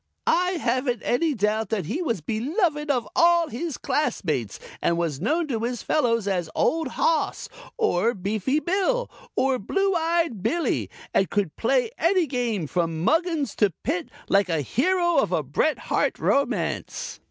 I haven't any doubt that he was beloved of all his classmates and was known to his fellows as Old Hoss, or Beefy Bill or Blue eyed Billie and could play any game from Muggins to Pit like a hero of a Bret Harte romance."